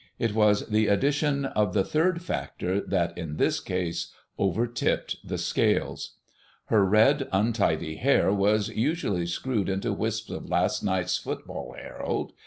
It was the addition of the third factor that in this case overtipped the scales. Her red, untidy hair was usually screwed into wisps of last night's 'Football Herald.